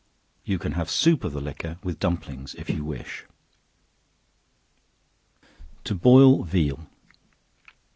You can have soup of the liquor, with dumplings, if you wish. To Boil Veal.